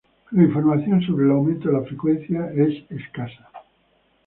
La información sobre el aumento de la frecuencia es escasa.